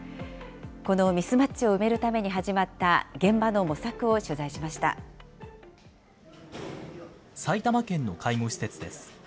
このミスマッチを埋めるために始埼玉県の介護施設です。